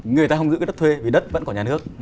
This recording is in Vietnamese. người ta không giữ cái đất thuê vì đất vẫn của nhà nước